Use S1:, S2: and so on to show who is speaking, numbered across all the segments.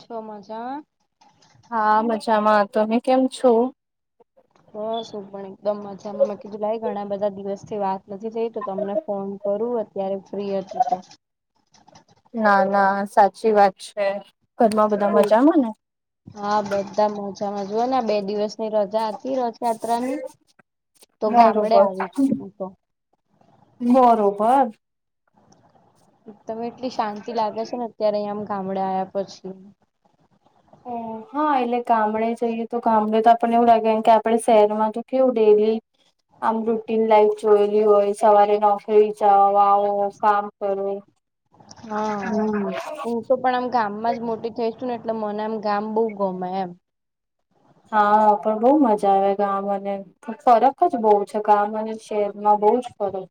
S1: છ મજા
S2: હા મજામાં તમે કેમ છો?
S1: બસ હુ પણ એકદમ મજામાં મ કધું ભાઈ ઘણા બધા દિવસ થી વાત નથી થઈ તો તમને ફોન કરું અત્યારે ફ્રી હતી તો.
S2: ના ના સાચી વાત છે ઘરમાં બધા મજા આવે ને.
S1: હા બધા મજામાં જો ને આ બે દિવસ ની રજા હતી રથયાત્રા ની. તો ગામડે
S2: બરોબર
S1: આવી હું તો.
S2: બરોબર
S1: તમે એટલી શાંતિ લાગે છે ને અત્યારે અહીંયા આમ ગામડે આવ્યા પછી
S2: ઓ
S1: [inaudible]
S2: હા એટલે ગામડે જઈએ તો ગામડે તો આપણને એવું લાગેમ કે આપડે શહેરમાં તો કેવું ડેલી આમ રૂટીન લાઈફ જોયેલી હોય સવારે નોકરી જવા કામ કરવુ
S1: હા.
S2: હમ્મ
S1: હું તો પણ આમ ગામમાં જ મોટી થઈશું ને એટલે મને આમ ગામ બહુ ગમે એમ
S2: હા પણ બહુ મજા આવે ગામ અને ફરક જ બહુ છે ગામ અને શહેરમાં બઉુ જ ફરક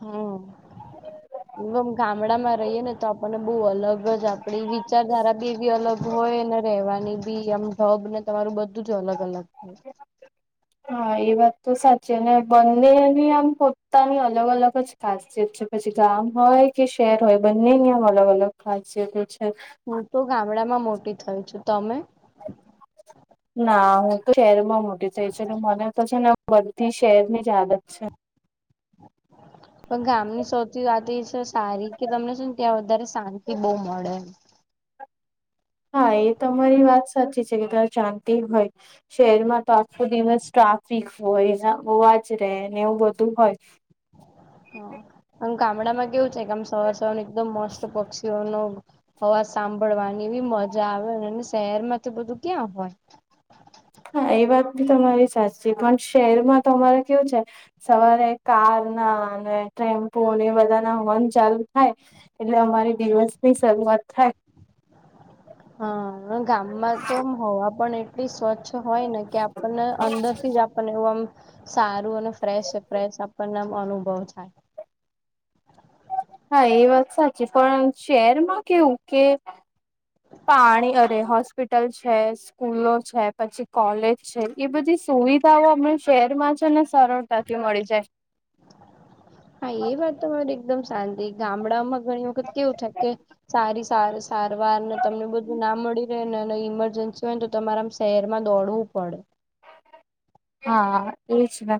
S1: હમ્મ ગામડા માં રહીએ ને તો આપણને બહુ અલગ રજ આપડી વિચારધારા બી એવી અલગ હોય અને રવાની બી આમ જબ ને તમારું બધું જ અલગ અલગ છે.
S2: હા એ વાત તો સાચી ને બંનેની આમ પોતા ન અલગ અલગ જ. ખાસિયત છે પછી ગામ હોય કે શહેર હોય બંનેની આમ અલગ અલગ ખાસિયતો છે.
S1: હું તો ગામડામાં મોટી થઈ છું તમે
S2: ના હું તો શહેર માં મોટી થઈ છ એટલે મને તો છે ને બધી શહેર ની જ આદત છે.
S1: પણ ગામની સૌથી વાત એ છે સારી કે તમને શું ને ત્યાં વધારે શાંતિ બહુ મળે
S2: હા એ તો અરી વાત સાચી છે કે તારે જતી હોય શહેરમાં તો આખો દિવસ ટ્રાફિક હોય હોવા જ રહે ને એવું બધું હોય
S1: હા આમ ગામડામાં કેવું છે કે આમ સવાર સવારમાં એકદમ મસ્ત પક્ષીઓનું હવા સાંભળવાની બી મજા આવે અને શહેરમાં તો આવું બધું ક્યાં હોય
S2: હા એ વાત બી તમારી સાચી પણ શહેરમાં તો અમારે કેવું છે. સવારે કારના અને ટેમ્પો એ બધાના હોર્ન ચાલુ થાય એટલે અમારી દિવસ ની શરૂઆત થાય
S1: હા ગામમાં તો હવા પણ એટલી સ્વચ્છ હોય ને કે આપણને અંદરથી જ આપને એવુંમ સારું અને ફ્રેશ ફ્રેશ આપણને અનુભવ થાય.
S2: હા, એ વાત સાચી પણ શહેરમાં કેવું કે પાણી અને હોસ્પિટલ છે. સ્કૂલો છે, પછી કોલેજ છે એ બધી સુવિધાઓ અમને શહેરમાં છે ને સરળ તકી મળી જાય
S1: હા એ વાત તો મારે એકદમ શાંતિ ગામડામાં ઘણી વખત કેવું છે કે સારી સારી સારવારને તમને બધું
S2: જાય
S1: ના મળી રહે ને અને ઈમરજન્સી હોય ને તો તમારે આમ શહેરમાં દોડવું પડે.
S2: હા એજ ને.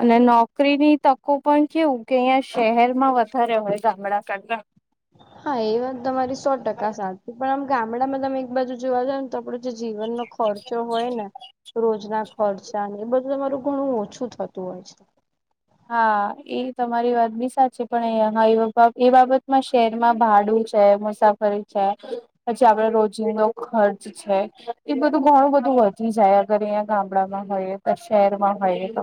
S2: અને નોકરીની તકો પણ કેવું કે અહિયાં શહેરમાં વધારે હોય ગામડા કરતાં.
S1: હા એ વાત તમારી સો ટકા સાચ પણ આમ ગામડામાં તમે એક બાજુ જોવા જાવ ને આપડો જે જીવનનો ખર્ચો હોય ને રોજના ખર્ચાને એ બધું તમારું ઘણું ઓછું થતું હોય છે.
S2: હા એ તમારી વાત બી સાચીપણ એ એ બાબતમાં શહેરમાં ભાડું છે. [unintelligible] કરી છે પછી આપડે રોજનો ખર્ચ છે એ બધું ઘણું બધું વધી જાય અગર અહીંયા ગામડામાં હોય તો શહેરમાં હોય તો.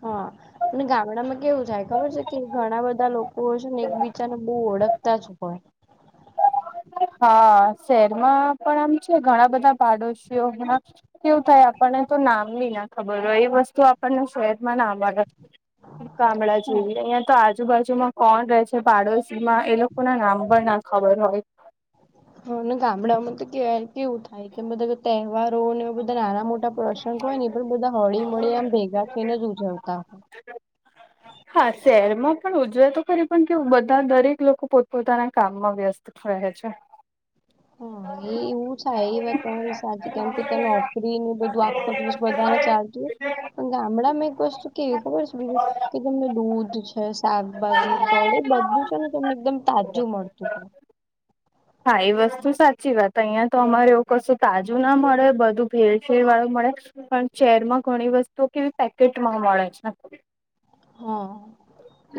S1: હા. અને ગામડામાં કેવું થાય ખબર છે કે ઘણા બધા લોકો છે ને એકબીજાને બો ઓળખતા જ હોય.
S2: હા શહેરમાં પણ આમ છે ઘણાબધા પાડોશીઓમાં કેવું થાય આપણને તો નામ બીના ખબર હોય એ વસ્તુ આપણને શહેર માં નામ આવે. ગામડા જેવી
S1: હા
S2: અહિયાં તો આજ આજુબાજુમાં કોણ રહે છે. પાડોશીમાં એ લોકો નામ પણ ના ખબર હોય.
S1: હને ગામડામાં તો કેવાય કેવું થાય કે બધા તહેવારોને બધા નાના મોટા પ્રસંગો હોય ને પણ બધા હળીમળી આમ ભેગા તેને જ ઉજવતા હતા હોય.
S2: હા શહેરમાં પણ ઉજવે તો ખરી પણ કેવું બધા દરેક લોકો પોતપોતાના કામમાં વ્યસ્ત રહે છે.
S1: હા એ એવું થાય એ વાત તમારી સાચી કેમ કે ત્યાં નોકરીને બધું ખો [unintelligible] બધાને ચાલતું પણ ગામડામાં એક વસ્તુ કેવી ખબર છે બીજું કે તમને દૂધ છે શાકભાજી, ફળ એ બધું છે ને તમને એકદમ તાજું મળતું હોય.
S2: હા એ વસ્તુ સાચી વાત અહિયાં તો અમારે એવું કશું તાજુંના મળે બધું ભેળસેળ વાળું મળે. પણ શહેરમાં ઘણી વસ્તુઓ કેવી પેકેટમાં મળે છે.
S1: હા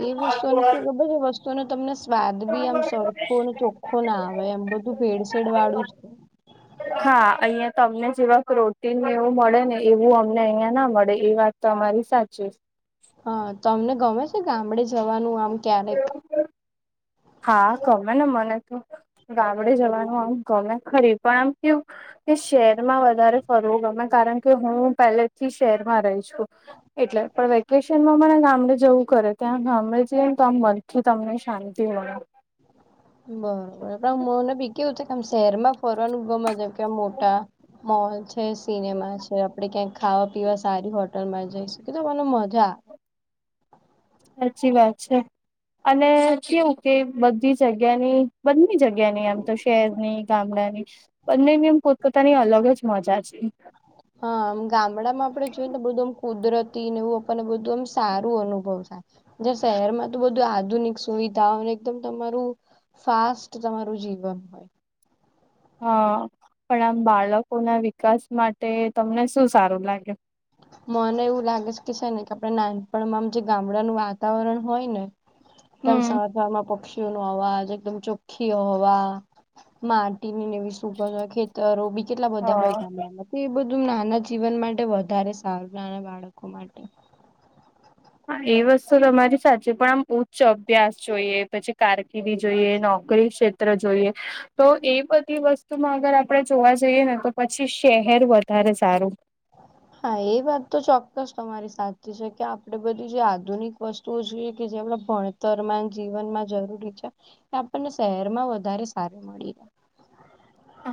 S1: એ વસ્તુઓને ખબર વસ્તુઓને તમને સ્વાદબી આમ સરખો અને ચોખ્ખો ના આવે એમ બધું ભેડસેેડ વાળું છે.
S2: હા અહિયાં તમને જેવા પ્રોટીન એવું મળે ને એવું અમને અહિયાં ના મળે એ વાત તમારી સાચી.
S1: હા તમને ગમે છે? ગામડે જવાનું આમ ક્યારેક.
S2: હા ગમે ને મને તો ગામડે જવાનું આમ ગમે ખરી પણ આમ કેવુક કે શહેરમાં વધારે ફરવો ગમે કારણ કે હું પહેલેથી શહેરમાં રહીશ. એટલે પણ વેકેશનમાં મને ગામડે જવું કરે ત્યાં ગામડે જઈએ ને તો આમ મનથી તમને શાંતિ મળે.
S1: બરોબર પણ મને ભી કેવું છે કે શહેરમાં ફરવાનું ગમે છે. કે મોટા મોલ છે, સિનેમા છે, આપડે ક્યાંક ખાવા પીવા સારી હોટલમાં જઈ શકીએ તો મને મજા
S2: સાચી વાત છે. અને કેવું કે બધી જગ્યાની બંની જગ્યા ની એમ તો શહેરની ગામડા ની બંનેની એમ પોતપોતા ની અલગ જ મજા છે.
S1: હા આમ ગામડામાં આપડે જોયએ ને બધું આમ કુદરતી ને એવું આપણને બધું એમ સારું અનુભવ થાય. શહેરમાં તો બધું આધુનિક સુવિધાઓ એકદમ તમારું ફાસ્ટ તમારું જીવન હોય.
S2: હા પણ આમ બાળકો ના વિકાસ માટે તમને શું સારું લાગે
S1: મને એવું લાગે છે કે છે ને કે આપડે નાનપણમાંમ જે ગામડાનું વાતાવરણ હોય ને કેમ
S2: હમ
S1: સવામાં પક્ષી અવાજ એકદમ ચોખ્ખી હવા માટી સુગ હોય ખેતરો બી કેટલા બધા હોય
S2: હા
S1: ગામડામાં તો એ બધું નાના જીવન માટે વધ ઘારે સારરને બાળકો માટે
S2: હા એ વસ્તુ તમારી સાચી પણ આમ ઉચ્ચ અભ્યાસ જોઈએ પછી કારકિર્દી જોઈએ નોકરી ક્ષે ત જોઈએ તો એ બધી વસ્તુમાં અગર આપણે જોવા જઈએ ને તો પછી શહેર વધારે સારું
S1: હા એ વાત તો ચોક્કસ તમારી સા છે કે આપડે બધી જે આધુનિક વસ્તુઓ જોઈએ કે જે આપ ભણ તરન જીવનમાં જરૂરી છે એ આપણને શહેરમાં વધારે સાર મળી રહે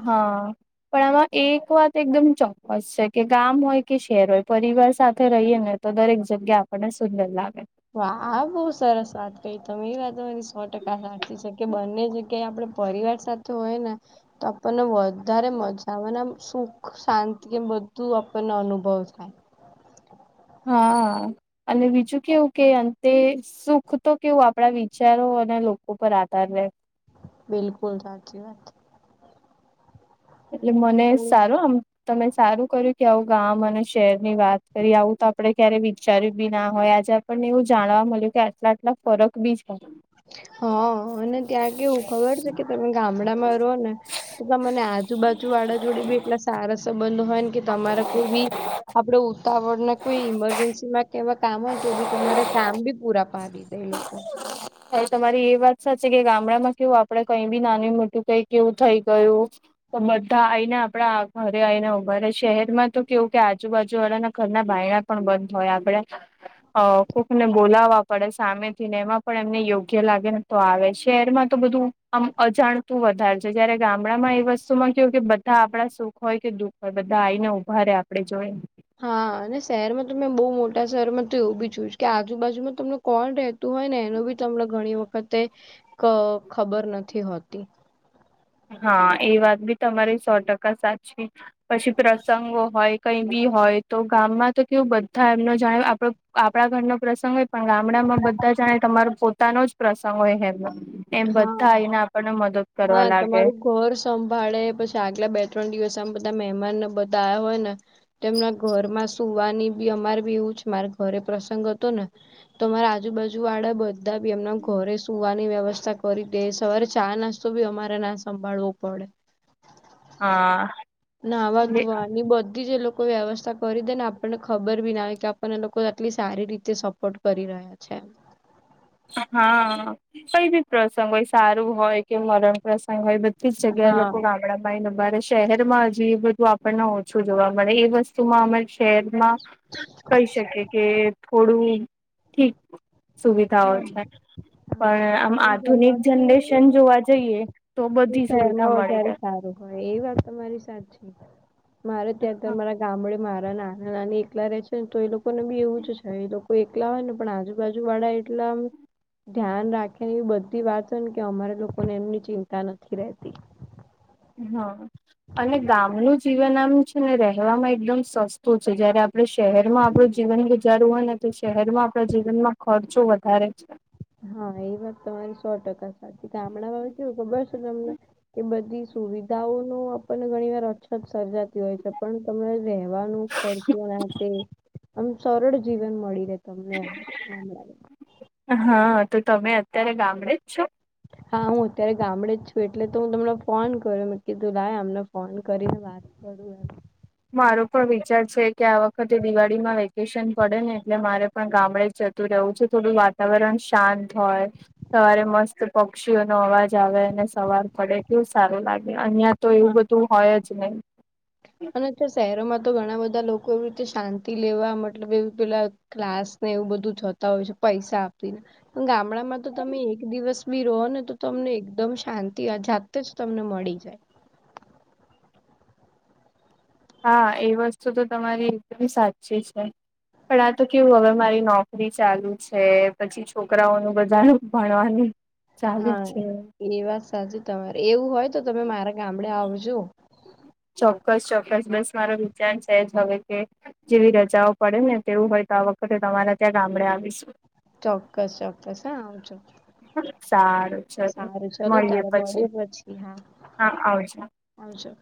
S2: હા પણ આમાં એક વાત એકદમ ચોક્કસ છે કે ગામ હોય કે શહેર હોય પરિવાર સાથે રહીએ ને તો દરેક જગ્યા આપણને સુંદર લાગે
S1: હ બહુ સરસ વાત કહી તમે એ વાત અરી સો ટકા સાી છે કે બંને જગ્યાએ આપણે પરિવાર સાથે હોય ને તો આપણને વધારે મજા આવેને સુખ શાંતિ એમ બધું આપણને અનુભવ થાય
S2: હા અને બીજું કેવું કે અંતે સુખ તો કેવું આપણા વિચારો અને લોકો પર આધાર રહે
S1: બિલકુલ સાચી વાત છે
S2: એટલે મને
S1: પણ
S2: સારું આમ તમે સારું કર્યું કે આવું ગ મને શેર ની વાત કરી આવું તો આપડે ક્યારે વિચાર્યું બી ના હોય આજે આપણને એવું જાણવા મળ્યું કે આટલા આટલા ફરક બી છે
S1: હા અને ત્યાં કેવું ખબર છે કે તમે ગામડામાં રહો ને તો તને આજુબાજુ વાળા જોડે બી એટલા સારા સંબંધ હોય ને કે તમારા કોઈ બી આપડે ઉતાવળ ના કોઈ ઈમરજન્સીમાં કેવા કામ હોય તો બી તમારે કામ બી પૂરા પાાવ ધ એ લોકો
S2: તમારી એ વાત સાચી છે કે ગામડામાં કેવું આપડે કઈ બી નાનું મોટું કઈ કેવું થઈ ગયું તો બધા આઈને આપડા ઘરે આવીઈને ઉઘારે શહેર માં તો કેવું કે આજુબાજુ વાળા ઘરના બાયણા પણ બંધ હોય આપડે અ કોકને બોલાવવા પડે સામેથી ને એમાં પણ એમને યોગ્ય લાગે ને તો આવે શહેરમાં તો બધું આમ અજાણતું વધારે છે જયારે ગામડામાં એ વસ્તુમાં કવું કે બધા આપણા સુખ હોય કે દુખ હોય બધા આ આવીને ઉઊભા આપણે જોઈ
S1: હા અને શહેરમાં ત મેમે બહુ મોટા શહેરમાં તો એવું બી જોય કે આજુબાજુમાં તમને કોણ રહેતું હોય ને એનું બી તમને ઘણી વખતે ખબર નથી હોતી
S2: હા એ વાત બી તમારી સો ટકા સાચી પછી પ્રસંગો હોય કઈ બી હોય તો ગામમાં તો કેવું બધા એમનો જાણે આપડો આપણા ઘર ન પ્રસંગ હોય પણ ગામડામાં બધા જાણે તમારો પોતાનો જ પ્રસંગ હોય હે એમ બધા આવીઈને આપણને મદદ કરવા લાગે
S1: મારું ઘર સંભાળે પછી આગલા બે ત્રણ દિવસ આમ બધા મહેમાન બધા આ્યા હોય ને તેમના ઘરમાં સુવાની બી અમાર બી એવું છે મારે ઘરે પ્રસંગ હતો ને તો મારે આજુબાજુ વાળા બધાી એમના ઘરે સુવાની વ્યવસ્થા નાસ્ કરી દે સવારે ચા નાસ્તો બી અમારે ના સંભાળવો પડે
S2: હા
S1: નાહવા ધુવા ની બધી જ લોકો કોઈ વ્યવસ્થા કરી દે ને આપણને ખબર બી ના હો કે આપણને લોકો આટલી સારી રીતે સપોર્ટ કરી રહે અચ છેા
S2: હા કઈ બી પ્રસંગ હોય સારું હોય કે મરણ પ્રસંગ હોય બધ તીસ જગ્યાએ
S1: હા
S2: લોકો ગામડા ભાઈ અમારે શહેરમાં હજી એ બધું આપણને ઓછું જોવા મળે એ વસ્તુમાં અમે શહેરમાં કહી શકી કે થોડું ઠીક સુવિધાઓ
S1: હા
S2: છે
S1: હા
S2: પણ આમ
S1: તમારે
S2: આધુનિક
S1: જમવાનું
S2: જનરેશન
S1: બી
S2: જોવા જઈએ તો બધી સુવિધા મળી જાય
S1: હ એ વાત તમા મારી સાચી મારે ત્યાં ત મારા ગામડે મારા નાના નાની એકલા રહે છે ને તો એ લોકોને બી એવું જ છે એ લોકો એકલા હોય ને પણ આજુબાજુ વાળા એટલા ધ્યાન રાખે ને એવી બધી વાતો હો ને કે અમારા લોકોને એમની ચિંતા નથી રહેતી
S2: હા અને ગામનું જીવન આમ છે ને રહેવામાં એકદમ સસ્તું છે જયારે આપડ શહેરમાં આપણું જીવન ગુજારવું હોય ને તો શહેરમાં આપણા જીવનમાં ખર્ચો વધારે છે
S1: હા એ વાત તમારે સો ટકા સાચી કે ગામણાં ભ કેવું ખબર છે તમને એ બધી સુવિધાઓનું આપણને ઘણી વાર અછત સર્જાતી હોય છે પણ તને રહેવાનું ફચુ તે આમ સરળ જીવન મળી રહે તમને
S2: હા તો તમે અત્યારે ગામડે જ છો
S1: હા હું અત્યારે ગામડે જ છું એટલે તો હું તમને ફોન કર્યો કીધું લાવ અમને ફોન કરીને વાત બડું એ
S2: મારો પણ વિચાર છે કે આ વખતે દિવાળીમાં વેકેશન પડે ને એટલે મારે પણ ગામડે જ જતું રહવું છે થોડું વાતાવરણ શાંત હોય સવારે મસ્ત પક્ષીઓ નો અવાજ આવે અને સવાર પડે કેવું સારું લાગે અહં તો એવું
S1: હા
S2: બધું હોય જ નહીિ
S1: અને શહેરોમાં તો ઘણા બધા લોકો એવી રીતે શાંતિ લેવા મતલબ એવું પેલા ક્લાસ ને એવું બધું જોતા હોય છે પૈસા આપીને ગામડામાં તો તમે એક દિવસ બી રહો ને તો તમને એકદમ શાંતિ અજાત જ તમને મળી જાય
S2: હા એ વસ્તુ તો તમારી એકમી સાચી છે પણ આ તો કેવું હવે મારી નોકરી ચાલુ છે પછી છોકરાઓનું બધાનું ભણવાનું ચાલુ
S1: હા
S2: છે
S1: એ વાત સાચી તમારે એવું હોય તો તમે મારા ગામડે આવજો
S2: ચોક્કસ ચોક્કસ બસ મારો વિચાર છેજ હવે કે જેવી રજાઓ પડે ને તેવું હોય તો આ વખતે તમારા ત્યાં ગામડે આવીશું
S1: ચોક્કસ ચોક્કસ હ આવો
S2: સારું ચલો
S1: સારું ચાલ ત્યારે મળે પછી હા
S2: હા આવજો
S1: હજ